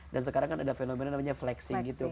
dan sekarang kan ada fenomena namanya flexing gitu kan